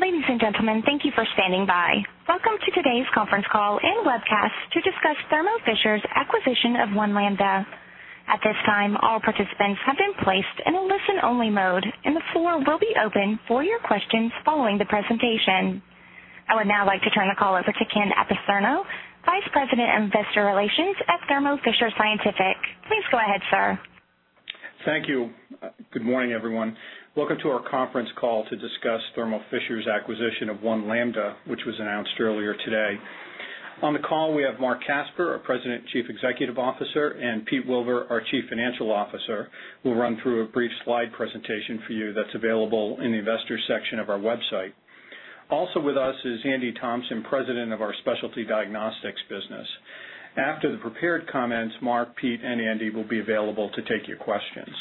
Ladies and gentlemen, thank you for standing by. Welcome to today's conference call and webcast to discuss Thermo Fisher's acquisition of One Lambda. At this time, all participants have been placed in a listen-only mode, and the floor will be open for your questions following the presentation. I would now like to turn the call over to Ken Apicerno, Vice President of Investor Relations at Thermo Fisher Scientific. Please go ahead, sir. Thank you. Good morning, everyone. Welcome to our conference call to discuss Thermo Fisher's acquisition of One Lambda, which was announced earlier today. On the call, we have Marc Casper, our President and Chief Executive Officer, and Pete Wilver, our Chief Financial Officer, who will run through a brief slide presentation for you that's available in the Investor section of our website. Also with us is Andy Thomson, President of our Specialty Diagnostics business. After the prepared comments, Marc, Pete, and Andy will be available to take your questions.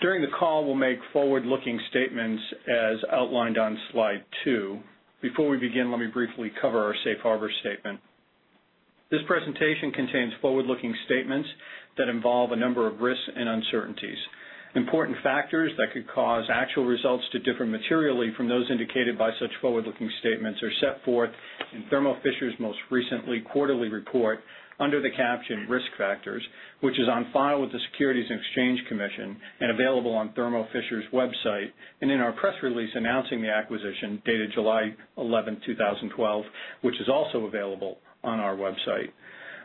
During the call, we'll make forward-looking statements as outlined on slide two. Before we begin, let me briefly cover our safe harbor statement. This presentation contains forward-looking statements that involve a number of risks and uncertainties. Important factors that could cause actual results to differ materially from those indicated by such forward-looking statements are set forth in Thermo Fisher's most recent quarterly report under the caption Risk Factors, which is on file with the Securities and Exchange Commission and available on Thermo Fisher's website, and in our press release announcing the acquisition dated July 11, 2012, which is also available on our website.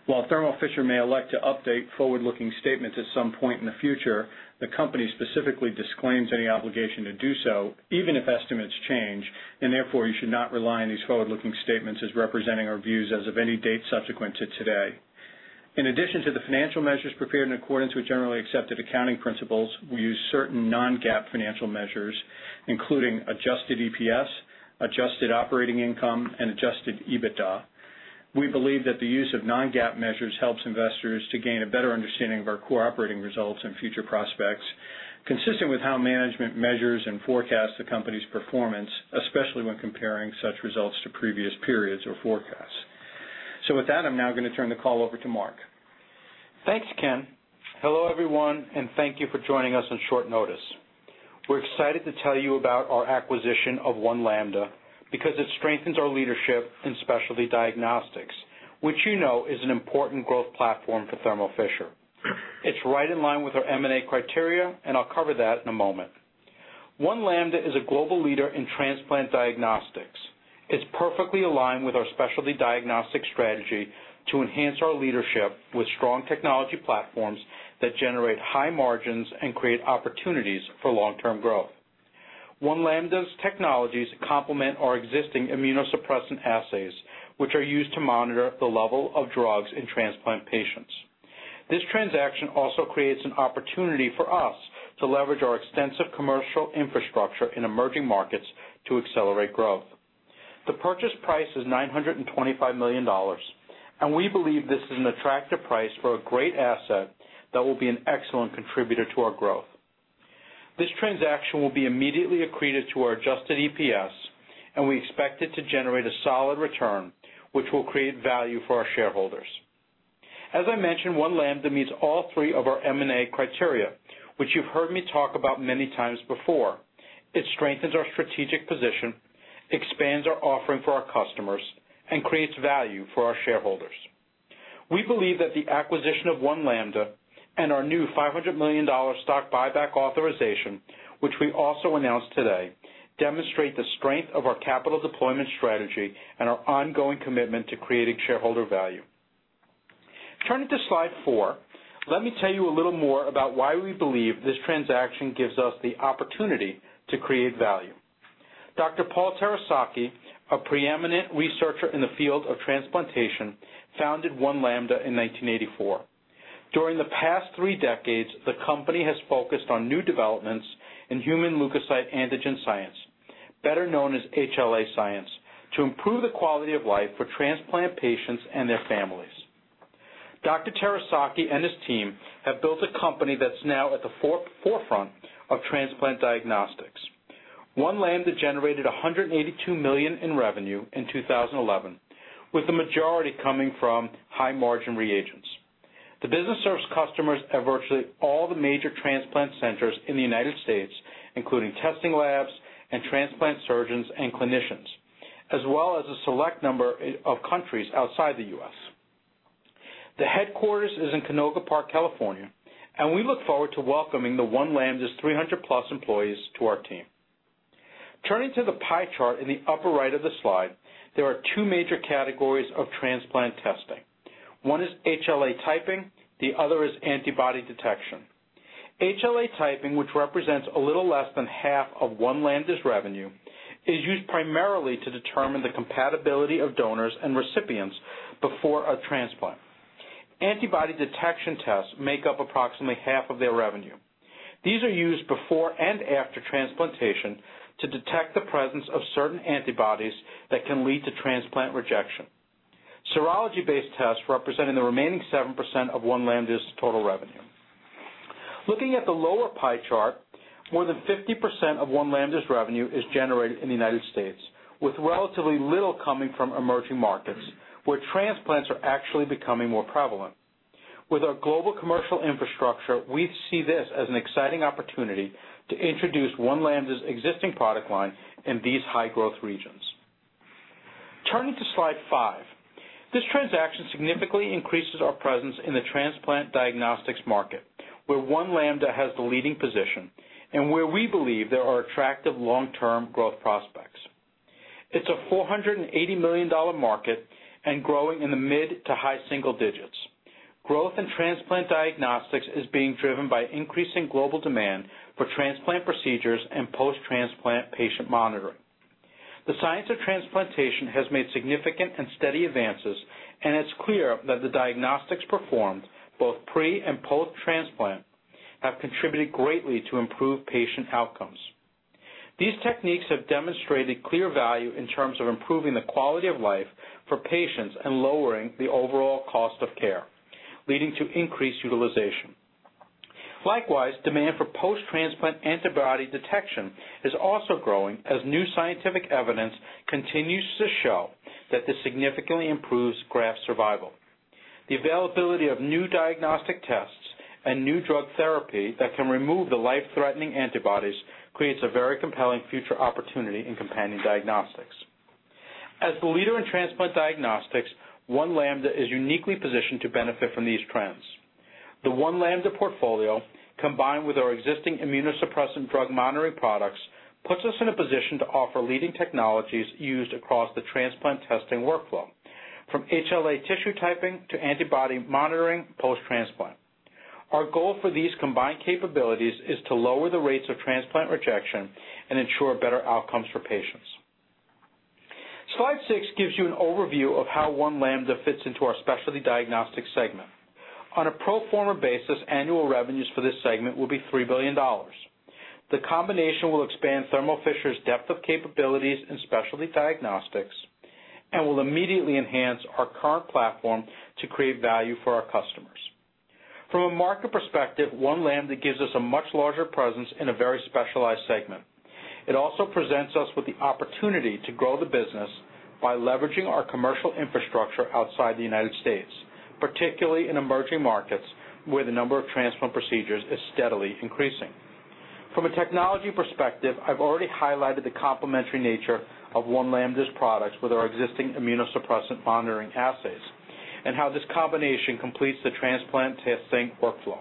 While Thermo Fisher may elect to update forward-looking statements at some point in the future, the company specifically disclaims any obligation to do so, even if estimates change, and therefore, you should not rely on these forward-looking statements as representing our views as of any date subsequent to today. In addition to the financial measures prepared in accordance with Generally Accepted Accounting Principles, we use certain non-GAAP financial measures, including adjusted EPS, adjusted operating income, and adjusted EBITDA. With that, I'm now going to turn the call over to Marc. Thanks, Ken. Hello, everyone, and thank you for joining us on short notice. We're excited to tell you about our acquisition of One Lambda because it strengthens our leadership in specialty diagnostics, which you know is an important growth platform for Thermo Fisher. It's right in line with our M&A criteria, and I'll cover that in a moment. One Lambda is a global leader in transplant diagnostics. It's perfectly aligned with our specialty diagnostics strategy to enhance our leadership with strong technology platforms that generate high margins and create opportunities for long-term growth. One Lambda's technologies complement our existing immunosuppressant assays, which are used to monitor the level of drugs in transplant patients. This transaction also creates an opportunity for us to leverage our extensive commercial infrastructure in emerging markets to accelerate growth. The purchase price is $925 million. We believe this is an attractive price for a great asset that will be an excellent contributor to our growth. This transaction will be immediately accretive to our adjusted EPS. We expect it to generate a solid return, which will create value for our shareholders. As I mentioned, One Lambda meets all three of our M&A criteria, which you've heard me talk about many times before. It strengthens our strategic position, expands our offering for our customers, and creates value for our shareholders. We believe that the acquisition of One Lambda and our new $500 million stock buyback authorization, which we also announced today, demonstrate the strength of our capital deployment strategy and our ongoing commitment to creating shareholder value. Turning to slide four, let me tell you a little more about why we believe this transaction gives us the opportunity to create value. Dr. Paul Terasaki, a preeminent researcher in the field of transplantation, founded One Lambda in 1984. During the past three decades, the company has focused on new developments in human leukocyte antigen science, better known as HLA science, to improve the quality of life for transplant patients and their families. Dr. Terasaki and his team have built a company that's now at the forefront of transplant diagnostics. One Lambda generated $182 million in revenue in 2011, with the majority coming from high-margin reagents. The business serves customers at virtually all the major transplant centers in the U.S., including testing labs and transplant surgeons and clinicians, as well as a select number of countries outside the U.S. The headquarters is in Canoga Park, California. We look forward to welcoming the One Lambda's 300-plus employees to our team. Turning to the pie chart in the upper right of the slide, there are two major categories of transplant testing. One is HLA typing, the other is antibody detection. HLA typing, which represents a little less than half of One Lambda's revenue, is used primarily to determine the compatibility of donors and recipients before a transplant. Antibody detection tests make up approximately half of their revenue. These are used before and after transplantation to detect the presence of certain antibodies that can lead to transplant rejection. Serology-based tests represent the remaining 7% of One Lambda's total revenue. Looking at the lower pie chart, more than 50% of One Lambda's revenue is generated in the U.S., with relatively little coming from emerging markets, where transplants are actually becoming more prevalent. With our global commercial infrastructure, we see this as an exciting opportunity to introduce One Lambda's existing product line in these high-growth regions. Turning to slide five. This transaction significantly increases our presence in the transplant diagnostics market, where One Lambda has the leading position and where we believe there are attractive long-term growth prospects. It's a $480 million market and growing in the mid to high single digits. Growth in transplant diagnostics is being driven by increasing global demand for transplant procedures and post-transplant patient monitoring. The science of transplantation has made significant and steady advances, and it's clear that the diagnostics performed, both pre and post-transplant, have contributed greatly to improved patient outcomes. These techniques have demonstrated clear value in terms of improving the quality of life for patients and lowering the overall cost of care, leading to increased utilization. Likewise, demand for post-transplant antibody detection is also growing as new scientific evidence continues to show that this significantly improves graft survival. The availability of new diagnostic tests and new drug therapy that can remove the life-threatening antibodies creates a very compelling future opportunity in companion diagnostics. As the leader in transplant diagnostics, One Lambda is uniquely positioned to benefit from these trends. The One Lambda portfolio, combined with our existing immunosuppressant drug monitoring products, puts us in a position to offer leading technologies used across the transplant testing workflow, from HLA tissue typing to antibody monitoring post-transplant. Our goal for these combined capabilities is to lower the rates of transplant rejection and ensure better outcomes for patients. Slide six gives you an overview of how One Lambda fits into our specialty diagnostics segment. On a pro forma basis, annual revenues for this segment will be $3 billion. The combination will expand Thermo Fisher's depth of capabilities in specialty diagnostics and will immediately enhance our current platform to create value for our customers. From a market perspective, One Lambda gives us a much larger presence in a very specialized segment. It also presents us with the opportunity to grow the business by leveraging our commercial infrastructure outside the U.S., particularly in emerging markets where the number of transplant procedures is steadily increasing. From a technology perspective, I've already highlighted the complementary nature of One Lambda's products with our existing immunosuppressant monitoring assays and how this combination completes the transplant testing workflow.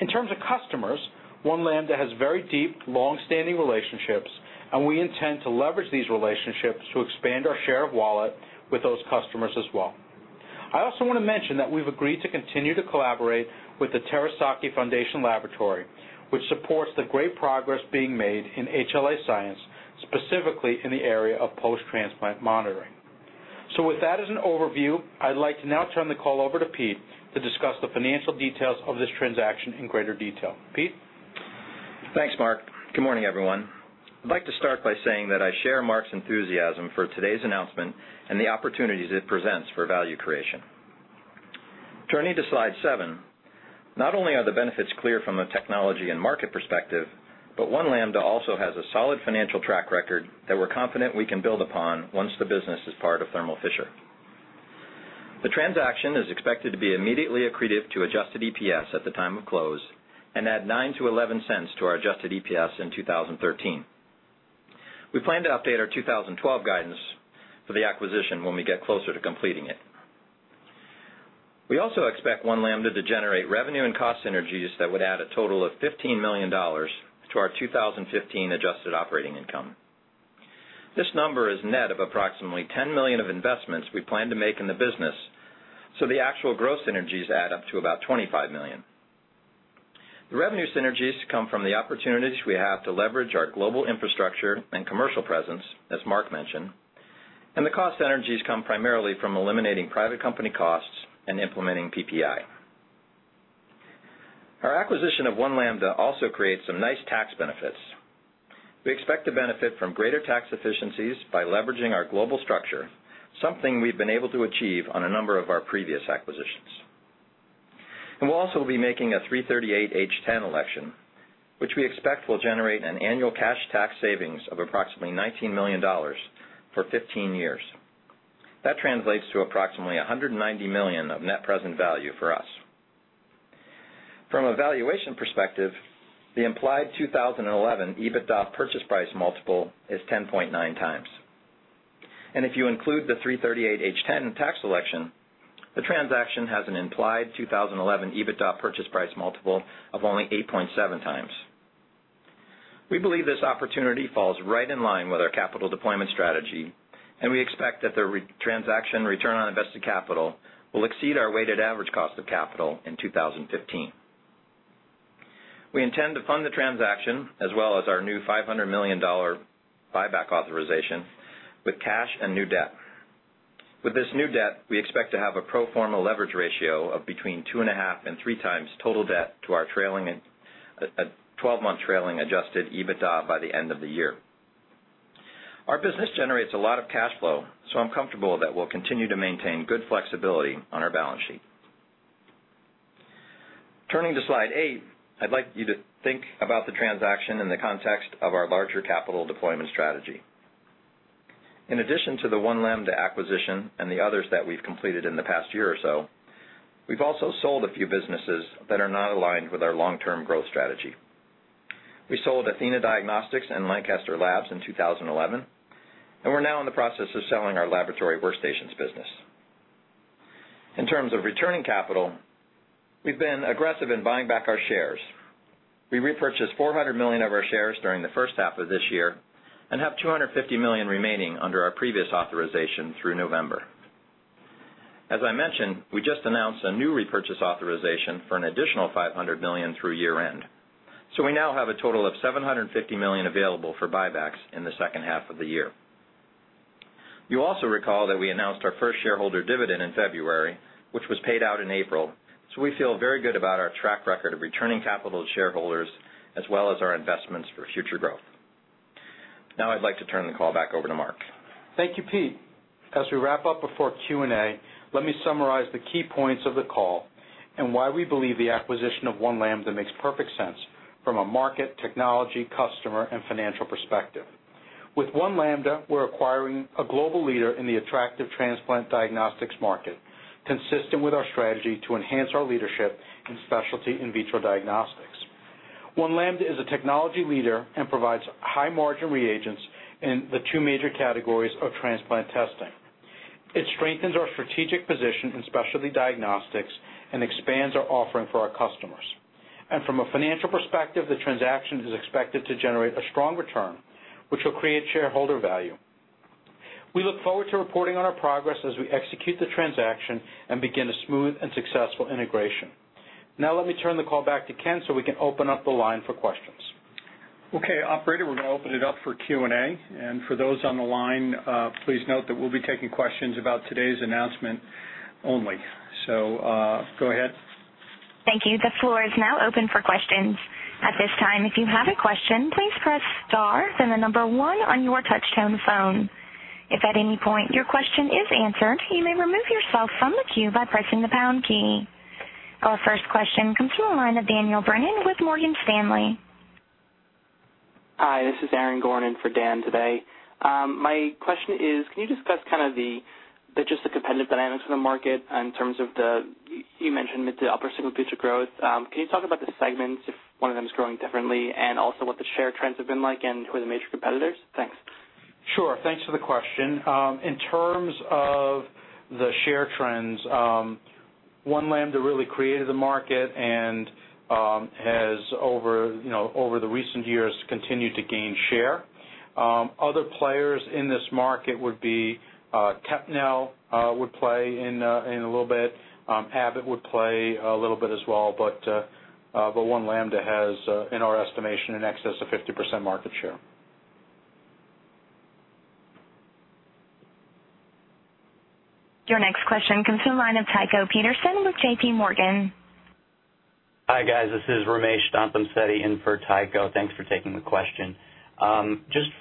In terms of customers, One Lambda has very deep, long-standing relationships, and we intend to leverage these relationships to expand our share of wallet with those customers as well. I also want to mention that we've agreed to continue to collaborate with the Terasaki Foundation Laboratory, which supports the great progress being made in HLA science, specifically in the area of post-transplant monitoring. With that as an overview, I'd like to now turn the call over to Pete to discuss the financial details of this transaction in greater detail. Pete? Thanks, Marc. Good morning, everyone. I'd like to start by saying that I share Marc's enthusiasm for today's announcement and the opportunities it presents for value creation. Turning to slide seven, not only are the benefits clear from a technology and market perspective, but One Lambda also has a solid financial track record that we're confident we can build upon once the business is part of Thermo Fisher. The transaction is expected to be immediately accretive to adjusted EPS at the time of close and add $0.09-$0.11 to our adjusted EPS in 2013. We plan to update our 2012 guidance for the acquisition when we get closer to completing it. We also expect One Lambda to generate revenue and cost synergies that would add a total of $15 million to our 2015 adjusted operating income. This number is net of approximately $10 million of investments we plan to make in the business, so the actual gross synergies add up to about $25 million. The revenue synergies come from the opportunities we have to leverage our global infrastructure and commercial presence, as Marc mentioned, and the cost synergies come primarily from eliminating private company costs and implementing PPI. Our acquisition of One Lambda also creates some nice tax benefits. We expect to benefit from greater tax efficiencies by leveraging our global structure, something we've been able to achieve on a number of our previous acquisitions. We'll also be making a 338(h)(10) election, which we expect will generate an annual cash tax savings of approximately $19 million for 15 years. That translates to approximately $190 million of net present value for us. From a valuation perspective, the implied 2011 EBITDA purchase price multiple is 10.9 times. If you include the 338(h)(10) tax election, the transaction has an implied 2011 EBITDA purchase price multiple of only 8.7 times. We believe this opportunity falls right in line with our capital deployment strategy, and we expect that the transaction return on invested capital will exceed our weighted average cost of capital in 2015. We intend to fund the transaction, as well as our new $500 million buyback authorization, with cash and new debt. With this new debt, we expect to have a pro forma leverage ratio of between 2.5 and 3 times total debt to our 12-month trailing adjusted EBITDA by the end of the year. Our business generates a lot of cash flow, I'm comfortable that we'll continue to maintain good flexibility on our balance sheet. Turning to slide eight, I'd like you to think about the transaction in the context of our larger capital deployment strategy. In addition to the One Lambda acquisition and the others that we've completed in the past year or so, we've also sold a few businesses that are not aligned with our long-term growth strategy. We sold Athena Diagnostics and Lancaster Laboratories in 2011, and we're now in the process of selling our laboratory workstations business. In terms of returning capital, we've been aggressive in buying back our shares. We repurchased $400 million of our shares during the first half of this year and have $250 million remaining under our previous authorization through November. As I mentioned, we just announced a new repurchase authorization for an additional $500 million through year-end, we now have a total of $750 million available for buybacks in the second half of the year. You'll also recall that we announced our first shareholder dividend in February, which was paid out in April. We feel very good about our track record of returning capital to shareholders, as well as our investments for future growth. Now I'd like to turn the call back over to Marc. Thank you, Pete. As we wrap up before Q&A, let me summarize the key points of the call and why we believe the acquisition of One Lambda makes perfect sense from a market, technology, customer, and financial perspective. With One Lambda, we're acquiring a global leader in the attractive transplant diagnostics market, consistent with our strategy to enhance our leadership in specialty in vitro diagnostics. One Lambda is a technology leader and provides high-margin reagents in the two major categories of transplant testing. It strengthens our strategic position in specialty diagnostics and expands our offering for our customers. From a financial perspective, the transaction is expected to generate a strong return, which will create shareholder value. We look forward to reporting on our progress as we execute the transaction and begin a smooth and successful integration. Now let me turn the call back to Ken. We can open up the line for questions. Okay, operator, we're going to open it up for Q&A. For those on the line, please note that we'll be taking questions about today's announcement only. Go ahead. Thank you. The floor is now open for questions. At this time, if you have a question, please press star, then the number one on your touch-tone phone. If at any point your question is answered, you may remove yourself from the queue by pressing the pound key. Our first question comes from the line of Daniel Brennan with Morgan Stanley. Hi, this is Aaron Gorin for Dan today. My question is, can you discuss kind of just the competitive dynamics of the market in terms of the, you mentioned the upper single future growth. Can you talk about the segments, if one of them is growing differently, and also what the share trends have been like and who are the major competitors? Thanks. Sure. Thanks for the question. In terms of the share trends, One Lambda really created the market and has over the recent years continued to gain share. Other players in this market would be Gen-Probe would play in a little bit. Abbott would play a little bit as well, but One Lambda has, in our estimation, in excess of 50% market share. Your next question comes from the line of Tycho Peterson with JP Morgan. Hi, guys. This is Ramesh Kurmapu in for Tycho. Thanks for taking the question.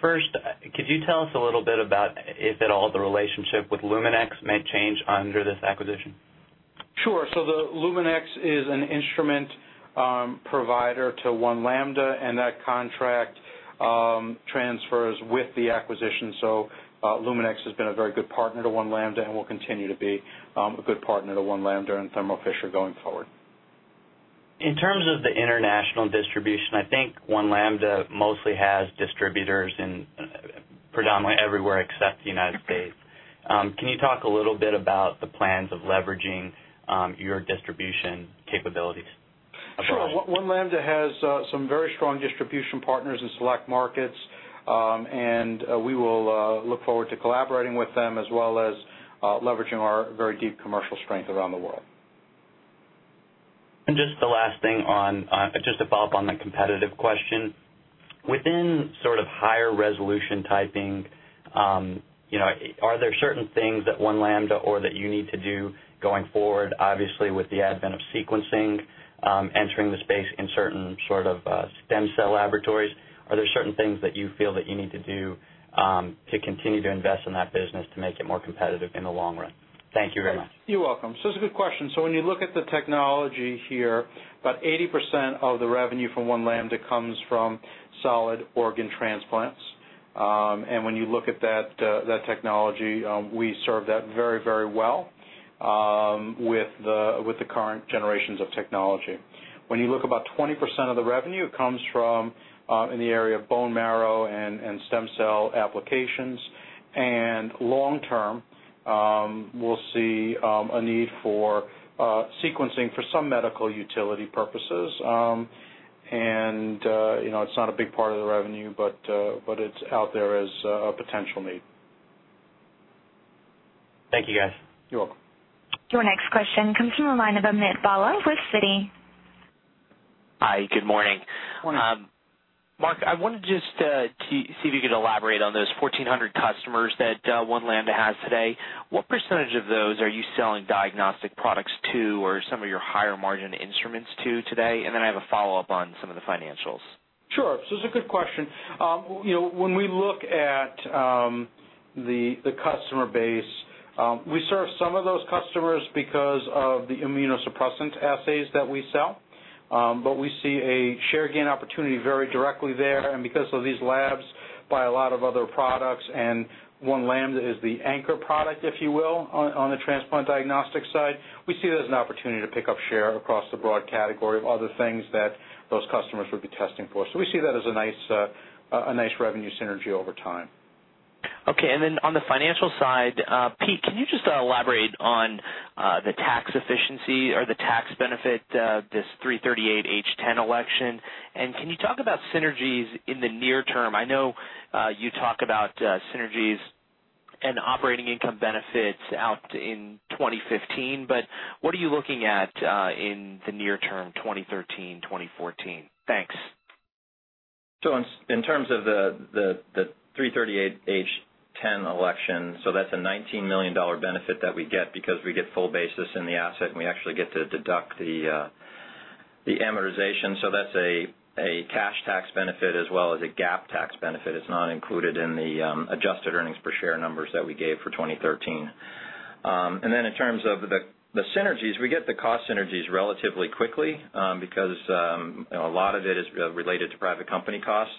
First, could you tell us a little bit about if at all, the relationship with Luminex may change under this acquisition? Sure. The Luminex is an instrument provider to One Lambda. That contract transfers with the acquisition. Luminex has been a very good partner to One Lambda and will continue to be a good partner to One Lambda and Thermo Fisher going forward. In terms of the international distribution, I think One Lambda mostly has distributors in predominantly everywhere except the U.S. Can you talk a little bit about the plans of leveraging your distribution capabilities? Sure. One Lambda has some very strong distribution partners in select markets. We will look forward to collaborating with them as well as leveraging our very deep commercial strength around the world. Just the last thing on, just a follow-up on the competitive question. Within sort of higher resolution typing, are there certain things that One Lambda or that you need to do going forward, obviously with the advent of sequencing, entering the space in certain sort of stem cell laboratories? Are there certain things that you feel that you need to do to continue to invest in that business to make it more competitive in the long run? Thank you very much. You're welcome. It's a good question. When you look at the technology here, about 80% of the revenue from One Lambda comes from solid organ transplants. When you look at that technology, we serve that very well with the current generations of technology. When you look about 20% of the revenue, it comes from in the area of bone marrow and stem cell applications. Long term, we'll see a need for sequencing for some medical utility purposes. It's not a big part of the revenue, but it's out there as a potential need. Thank you, guys. You're welcome. Your next question comes from the line of Amit Bhalla with Citi. Hi, good morning. Morning. Marc, I wanted just to see if you could elaborate on those 1,400 customers that One Lambda has today. What percentage of those are you selling diagnostic products to or some of your higher-margin instruments to today? Then I have a follow-up on some of the financials. Sure. It's a good question. When we look at the customer base. We serve some of those customers because of the immunosuppressant assays that we sell. We see a share gain opportunity very directly there. Because of these labs buy a lot of other products and One Lambda is the anchor product, if you will, on the transplant diagnostic side, we see it as an opportunity to pick up share across the broad category of other things that those customers would be testing for. We see that as a nice revenue synergy over time. Okay. On the financial side, Pete, can you just elaborate on the tax efficiency or the tax benefit, this 338(h)(10) election? Can you talk about synergies in the near term? I know you talk about synergies and operating income benefits out in 2015, what are you looking at in the near term 2013, 2014? Thanks. In terms of the 338(h)(10) election, that's a $19 million benefit that we get because we get full basis in the asset, we actually get to deduct the amortization. That's a cash tax benefit as well as a GAAP tax benefit. It's not included in the adjusted earnings per share numbers that we gave for 2013. In terms of the synergies, we get the cost synergies relatively quickly, because a lot of it is related to private company costs.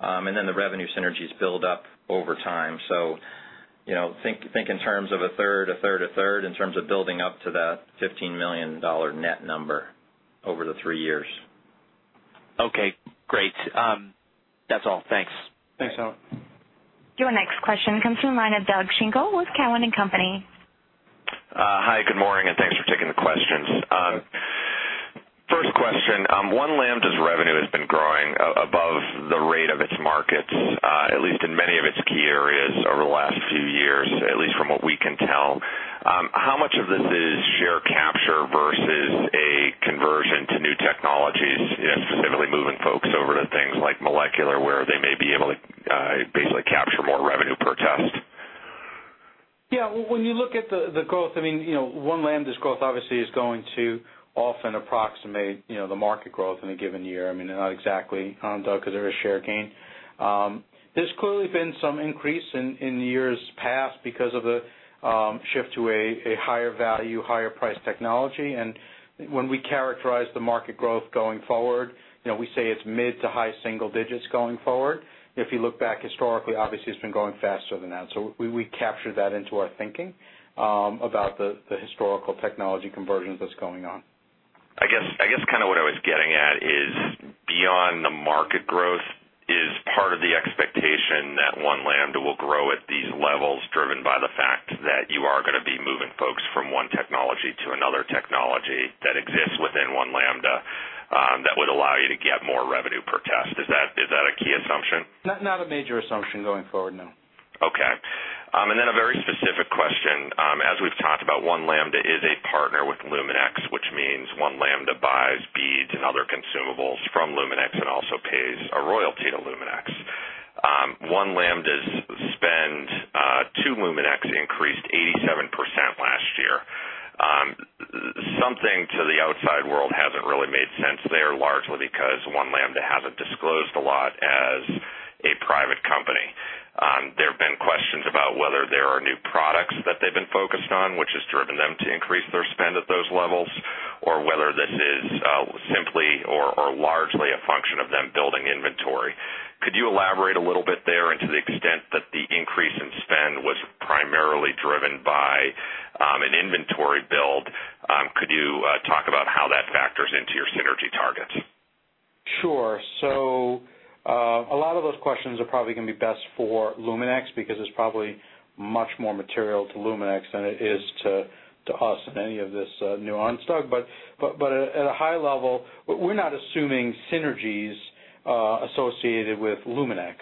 The revenue synergies build up over time. Think in terms of a third, a third, a third, in terms of building up to that $15 million net number over the three years. Okay, great. That's all. Thanks. Thanks, Amit. Your next question comes from the line of Doug Schenkel with Cowen and Company. Hi, good morning, and thanks for taking the questions. First question. One Lambda's revenue has been growing above the rate of its markets, at least in many of its key areas over the last few years, at least from what we can tell. How much of this is share capture versus a conversion to new technologies, specifically moving folks over to things like molecular, where they may be able to basically capture more revenue per test? Yeah. When you look at the growth, One Lambda's growth obviously is going to often approximate the market growth in a given year. Not exactly, Doug, because they're a share gain. There's clearly been some increase in years past because of the shift to a higher value, higher price technology. When we characterize the market growth going forward, we say it's mid to high single digits going forward. If you look back historically, obviously it's been growing faster than that. We captured that into our thinking about the historical technology conversion that's going on. I guess, what I was getting at is beyond the market growth, is part of the expectation that One Lambda will grow at these levels driven by the fact that you are going to be moving folks from one technology to another technology that exists within One Lambda, that would allow you to get more revenue per test. Is that a key assumption? Not a major assumption going forward, no. Okay. A very specific question. As we've talked about, One Lambda is a partner with Luminex, which means One Lambda buys beads and other consumables from Luminex and also pays a royalty to Luminex. One Lambda's spend to Luminex increased 87% last year. Something to the outside world hasn't really made sense there, largely because One Lambda hasn't disclosed a lot as a private company. There have been questions about whether there are new products that they've been focused on, which has driven them to increase their spend at those levels, or whether this is simply or largely a function of them building inventory. Could you elaborate a little bit there? And to the extent that the increase in spend was primarily driven by an inventory build, could you talk about how that factors into your synergy targets? Sure. A lot of those questions are probably going to be best for Luminex because it's probably much more material to Luminex than it is to us in any of this nuance, Doug. At a high level, we're not assuming synergies associated with Luminex.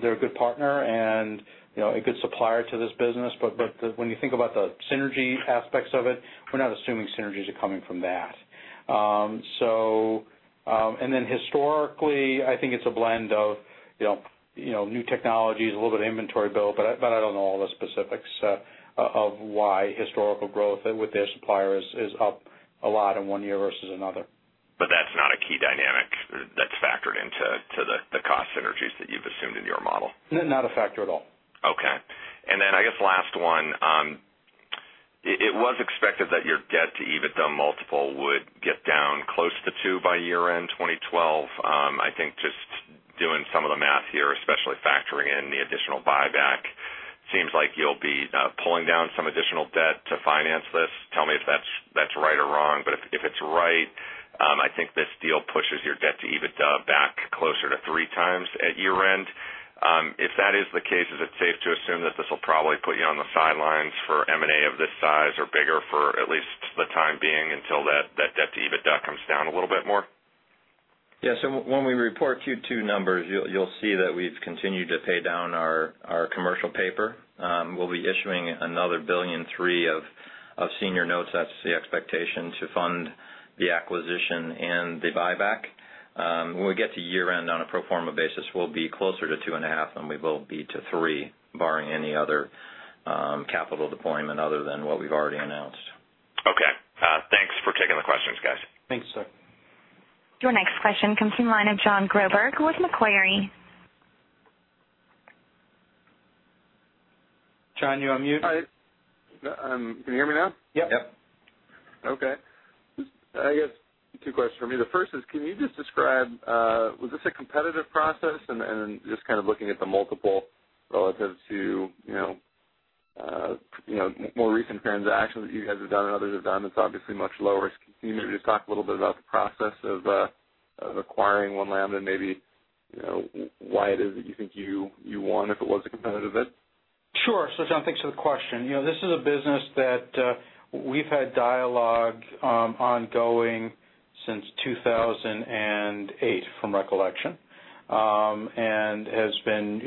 They're a good partner and a good supplier to this business, but when you think about the synergy aspects of it, we're not assuming synergies are coming from that. Historically, I think it's a blend of new technologies, a little bit of inventory build, but I don't know all the specifics of why historical growth with their supplier is up a lot in one year versus another. That's not a key dynamic that's factored into the cost synergies that you've assumed in your model. Not a factor at all. Okay. I guess last one. It was expected that your debt-to-EBITDA multiple would get down close to 2 by year-end 2012. I think just doing some of the math here, especially factoring in the additional buyback, seems like you'll be pulling down some additional debt to finance this. Tell me if that's right or wrong, but if it's right, I think this deal pushes your debt to EBITDA back closer to 3 times at year-end. If that is the case, is it safe to assume that this will probably put you on the sidelines for M&A of this size or bigger for at least the time being until that debt-to-EBITDA comes down a little bit more? Yeah. When we report Q2 numbers, you'll see that we've continued to pay down our commercial paper. We'll be issuing another $1.3 billion of senior notes, that's the expectation, to fund the acquisition and the buyback. When we get to year-end on a pro forma basis, we'll be closer to 2.5 than we will be to 3, barring any other capital deployment other than what we've already announced. Okay Your next question comes from the line of John Groberg with Macquarie. John, you're on mute. Hi. Can you hear me now? Yep. Yep. Okay. I guess two questions from me. The first is, can you just describe, was this a competitive process? Then just kind of looking at the multiple relative to more recent transactions that you guys have done and others have done, it's obviously much lower. Can you maybe just talk a little bit about the process of acquiring One Lambda and maybe, why it is that you think you won if it was a competitive bid? Sure. John, thanks for the question. This is a business that we've had dialogue ongoing since 2008, from recollection. Has been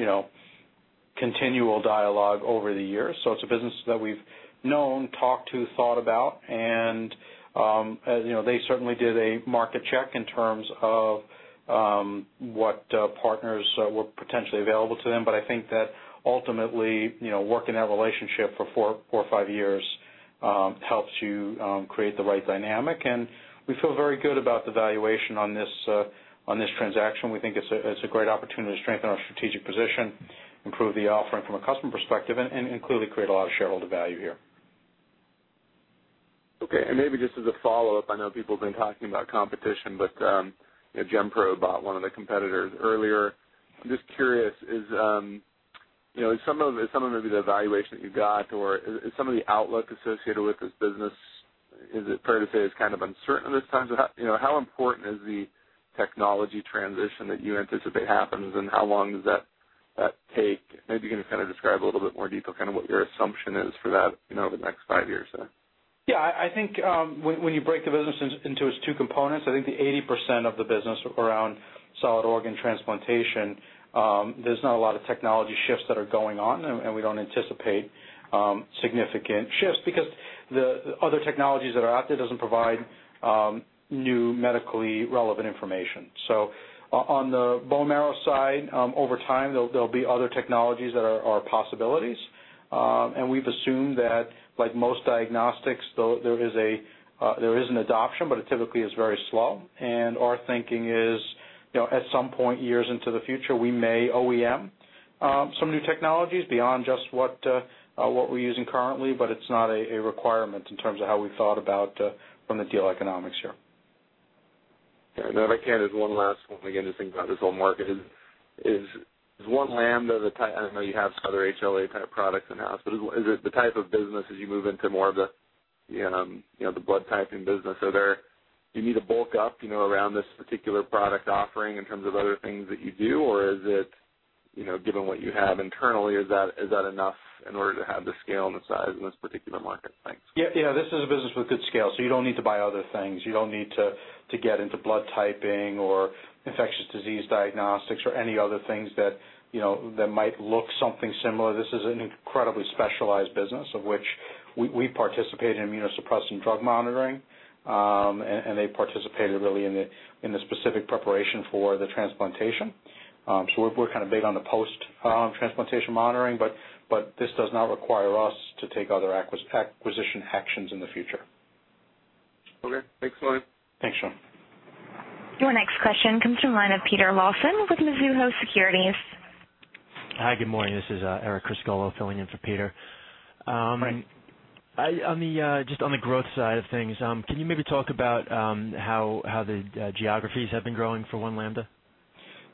continual dialogue over the years. It's a business that we've known, talked to, thought about, and they certainly did a market check in terms of what partners were potentially available to them. I think that ultimately, working that relationship for four or five years helps you create the right dynamic, and we feel very good about the valuation on this transaction. We think it's a great opportunity to strengthen our strategic position, improve the offering from a customer perspective, and clearly create a lot of shareholder value here. Okay, maybe just as a follow-up, I know people have been talking about competition, but Gen-Probe bought one of the competitors earlier. I'm just curious, is some of maybe the valuation that you got or is some of the outlook associated with this business, is it fair to say it's kind of uncertain at this time? How important is the technology transition that you anticipate happens, and how long does that take? Maybe can you describe a little bit more detail, what your assumption is for that over the next five years? I think when you break the business into its two components, I think the 80% of the business around solid organ transplantation, there's not a lot of technology shifts that are going on, and we don't anticipate significant shifts because the other technologies that are out there doesn't provide new medically relevant information. On the bone marrow side, over time, there'll be other technologies that are possibilities. We've assumed that, like most diagnostics, there is an adoption, but it typically is very slow. Our thinking is, at some point, years into the future, we may OEM some new technologies beyond just what we're using currently, but it's not a requirement in terms of how we thought about from the deal economics here. If I can, just one last one, again, just thinking about this whole market is One Lambda the type-- I know you have other HLA-type products in-house, but is it the type of business as you move into more of the blood typing business? Do you need to bulk up around this particular product offering in terms of other things that you do? Or is it, given what you have internally, is that enough in order to have the scale and the size in this particular market? Thanks. This is a business with good scale, you don't need to buy other things. You don't need to get into blood typing or infectious disease diagnostics or any other things that might look something similar. This is an incredibly specialized business of which we participate in immunosuppressant drug monitoring, and they participated really in the specific preparation for the transplantation. We're kind of big on the post-transplantation monitoring, but this does not require us to take other acquisition actions in the future. Okay, thanks a lot. Thanks, John. Your next question comes from the line of Peter Lawson with Mizuho Securities. Hi, good morning. This is Eric Criscuolo filling in for Peter. Hi. Just on the growth side of things, can you maybe talk about how the geographies have been growing for One Lambda?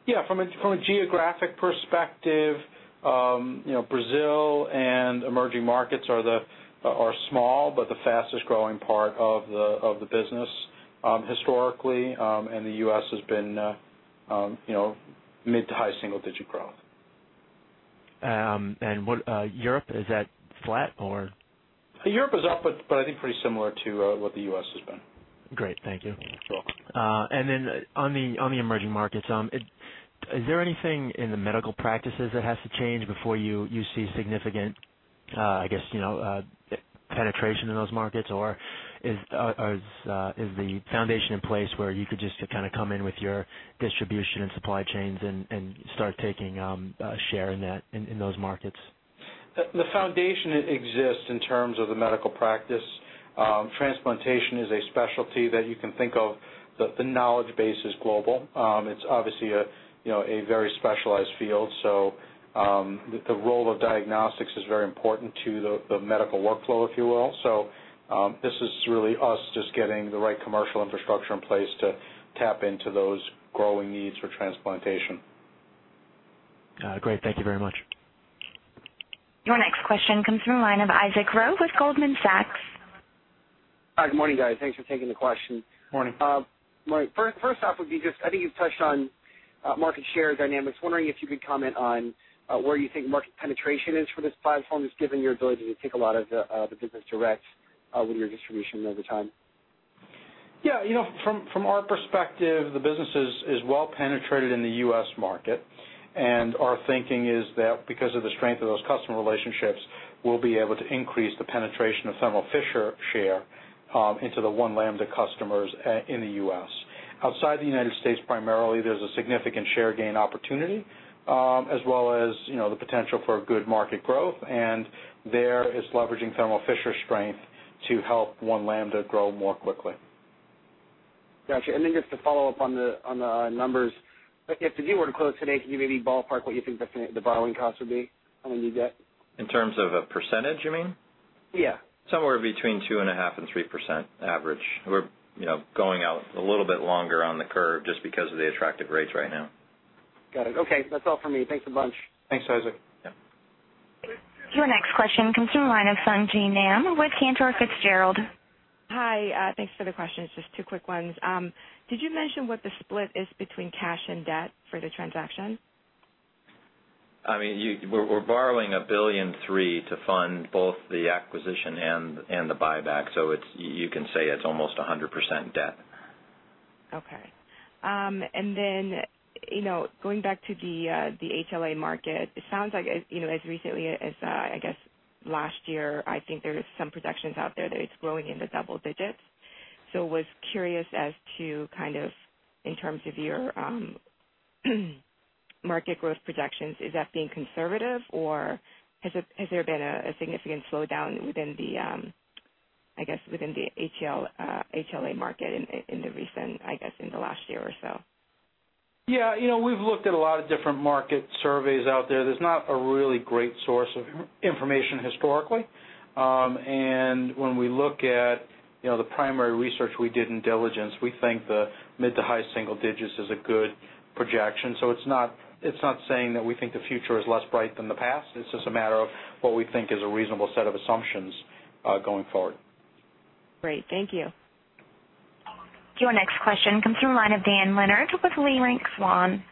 Yeah, from a geographic perspective, Brazil and emerging markets are small, but the fastest-growing part of the business historically, and the U.S. has been mid to high single-digit growth. Europe, is that flat or? Europe is up, but I think pretty similar to what the U.S. has been. Great. Thank you. You're welcome. Then on the emerging markets, is there anything in the medical practices that has to change before you see significant, I guess, penetration in those markets, or is the foundation in place where you could just kind of come in with your distribution and supply chains and start taking a share in those markets? The foundation exists in terms of the medical practice. Transplantation is a specialty that you can think of, the knowledge base is global. It's obviously a very specialized field. The role of diagnostics is very important to the medical workflow, if you will. This is really us just getting the right commercial infrastructure in place to tap into those growing needs for transplantation. Great. Thank you very much. Your next question comes from the line of Isaac Ro with Goldman Sachs. Hi, good morning, guys. Thanks for taking the question. Morning. Morning. First off would be just, I think you've touched on market share dynamics. Wondering if you could comment on where you think market penetration is for this platform, just given your ability to take a lot of the business direct with your distribution over time. Yeah. From our perspective, the business is well-penetrated in the U.S. market, and our thinking is that because of the strength of those customer relationships, we'll be able to increase the penetration of Thermo Fisher share into the One Lambda customers in the U.S. Outside the United States, primarily, there's a significant share gain opportunity, as well as the potential for good market growth. There is leveraging Thermo Fisher's strength To help One Lambda grow more quickly. Got you. Just to follow up on the numbers, if the deal were to close today, can you maybe ballpark what you think the borrowing cost would be? How many debt? In terms of a percentage, you mean? Yeah. Somewhere between 2.5% and 3% average. We're going out a little bit longer on the curve just because of the attractive rates right now. Got it. Okay. That's all for me. Thanks a bunch. Thanks, Isaac. Yeah. Your next question comes from the line of Sung Ji Nam with Cantor Fitzgerald. Hi, thanks for the questions. Just two quick ones. Did you mention what the split is between cash and debt for the transaction? I mean, we're borrowing $1.3 billion to fund both the acquisition and the buyback. You can say it's almost 100% debt. Okay. Going back to the HLA market, it sounds like, as recently as, I guess, last year, I think there were some projections out there that it's growing in the double digits. Was curious as to, in terms of your market growth projections, is that being conservative, or has there been a significant slowdown, I guess, within the HLA market in the recent, I guess, in the last year or so? Yeah. We've looked at a lot of different market surveys out there. There's not a really great source of information historically. When we look at the primary research we did in diligence, we think the mid to high single digits is a good projection. It's not saying that we think the future is less bright than the past. It's just a matter of what we think is a reasonable set of assumptions going forward. Great. Thank you. Your next question comes from the line of Dan Leonard with Leerink Swann.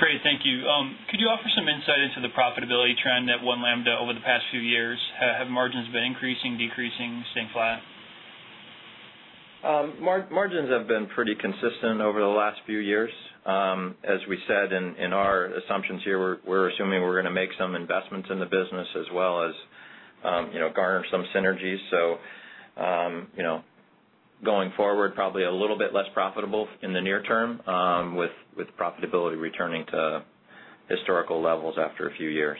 Great. Thank you. Could you offer some insight into the profitability trend at One Lambda over the past few years? Have margins been increasing, decreasing, staying flat? Margins have been pretty consistent over the last few years. As we said in our assumptions here, we're assuming we're going to make some investments in the business as well as garner some synergies. Going forward, probably a little bit less profitable in the near term, with profitability returning to historical levels after a few years.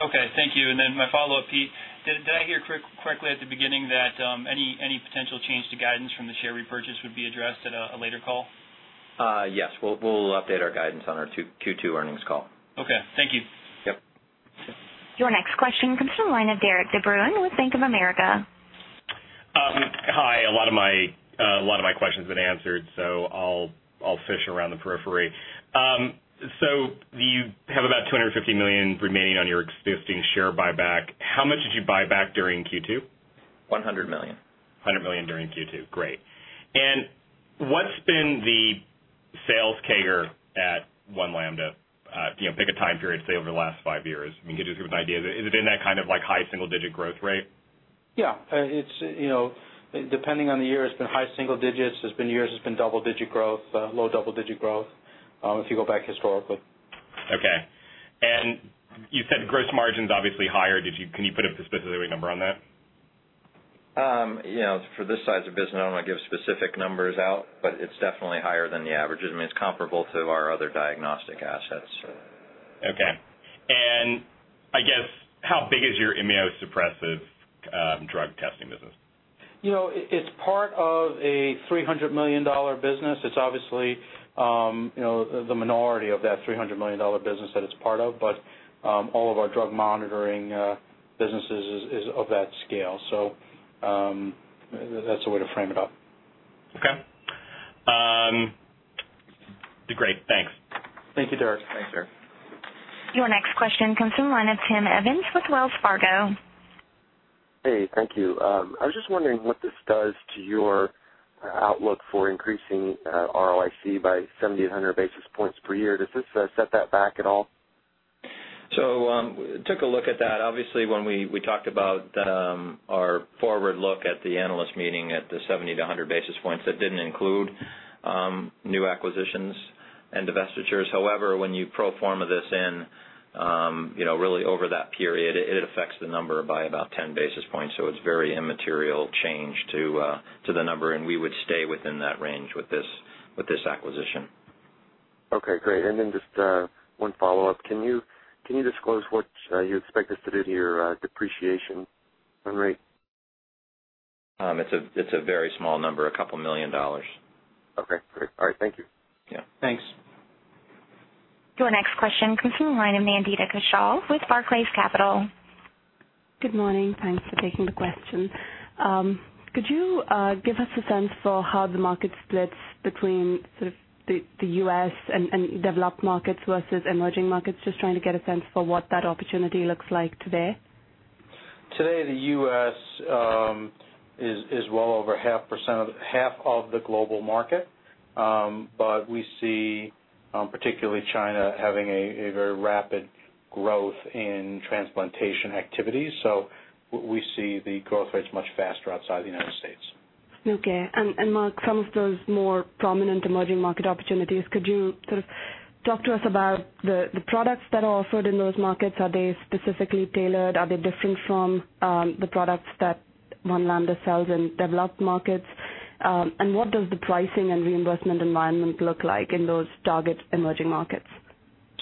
Okay. Thank you. Then my follow-up, Pete, did I hear correctly at the beginning that any potential change to guidance from the share repurchase would be addressed at a later call? Yes. We'll update our guidance on our Q2 earnings call. Okay. Thank you. Yep. Your next question comes from the line of Derik De Bruin with Bank of America. Hi. A lot of my question's been answered, I'll fish around the periphery. You have about $250 million remaining on your existing share buyback. How much did you buy back during Q2? $100 million. $100 million during Q2. Great. What's been the sales CAGR at One Lambda? Pick a time period, say over the last five years. Can you give us an idea, is it in that kind of high single-digit growth rate? Yeah. Depending on the year, it's been high single digits. There's been years it's been double-digit growth, low double-digit growth, if you go back historically. Okay. You said gross margin's obviously higher. Can you put a specific number on that? For this size of business, I don't want to give specific numbers out, it's definitely higher than the average. I mean, it's comparable to our other diagnostic assets. Okay. I guess, how big is your immunosuppressive drug testing business? It's part of a $300 million business. It's obviously the minority of that $300 million business that it's part of. All of our drug monitoring businesses is of that scale. That's the way to frame about. Okay. Great. Thanks. Thank you, Derik. Thanks, Derik. Your next question comes from the line of Tim Evans with Wells Fargo. Hey, thank you. I was just wondering what this does to your outlook for increasing ROIC by 70 to 100 basis points per year. Does this set that back at all? Took a look at that. Obviously, when we talked about our forward look at the analyst meeting at the 70 to 100 basis points, that didn't include new acquisitions and divestitures. However, when you pro forma this in, really over that period, it affects the number by about 10 basis points. It's very immaterial change to the number, and we would stay within that range with this acquisition. Okay, great. Just one follow-up. Can you disclose what you expect this to do to your depreciation run rate? It's a very small number. A couple million dollars. Okay, great. All right, thank you. Yeah. Thanks. Your next question comes from the line of Nandita Ghoshal with Barclays Capital. Good morning. Thanks for taking the question. Could you give us a sense for how the market splits between sort of the U.S. and developed markets versus emerging markets? Just trying to get a sense for what that opportunity looks like today. Today, the U.S. is well over half of the global market. We see, particularly China, having a very rapid growth in transplantation activities. We see the growth rates much faster outside the United States. Okay. Marc, some of those more prominent emerging market opportunities, could you sort of talk to us about the products that are offered in those markets? Are they specifically tailored? Are they different from the products that One Lambda sells in developed markets? What does the pricing and reimbursement environment look like in those target emerging markets?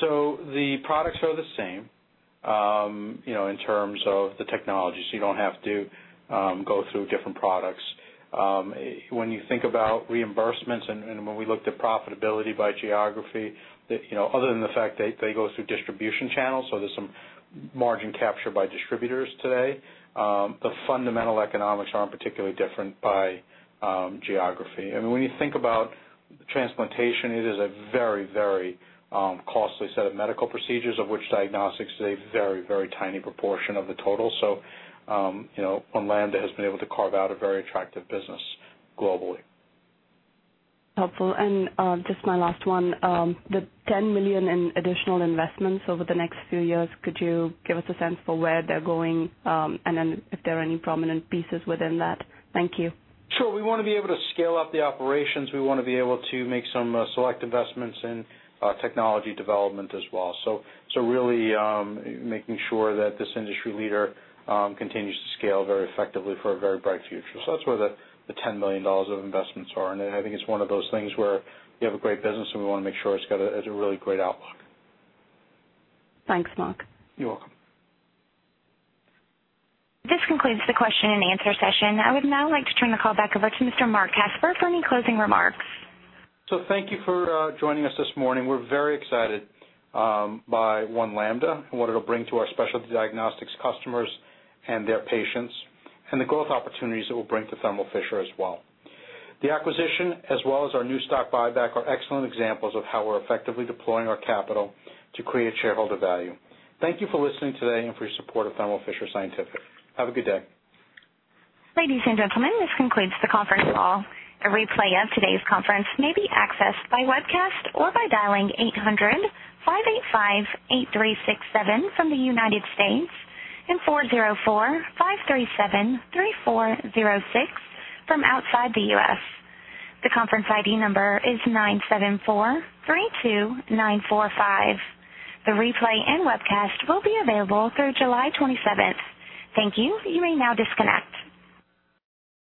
The products are the same in terms of the technology, you don't have to go through different products. When you think about reimbursements and when we looked at profitability by geography, other than the fact they go through distribution channels, there's some margin capture by distributors today, the fundamental economics aren't particularly different by geography. When you think about transplantation, it is a very costly set of medical procedures, of which diagnostics is a very tiny proportion of the total. One Lambda has been able to carve out a very attractive business globally. Helpful. Just my last one, the $10 million in additional investments over the next few years, could you give us a sense for where they're going, and then if there are any prominent pieces within that? Thank you. Sure. We want to be able to scale up the operations. We want to be able to make some select investments in technology development as well. Really making sure that this industry leader continues to scale very effectively for a very bright future. That's where the $10 million of investments are, and I think it's one of those things where we have a great business, and we want to make sure it's got a really great outlook. Thanks, Marc. You're welcome. This concludes the question and answer session. I would now like to turn the call back over to Mr. Marc Casper for any closing remarks. Thank you for joining us this morning. We're very excited by One Lambda and what it'll bring to our specialty diagnostics customers and their patients, and the growth opportunities it will bring to Thermo Fisher as well. The acquisition, as well as our new stock buyback, are excellent examples of how we're effectively deploying our capital to create shareholder value. Thank you for listening today and for your support of Thermo Fisher Scientific. Have a good day. Ladies and gentlemen, this concludes the conference call. A replay of today's conference may be accessed by webcast or by dialing 800-585-8367 from the United States and 404-537-3406 from outside the U.S. The conference ID number is 97432945. The replay and webcast will be available through July 27th. Thank you. You may now disconnect.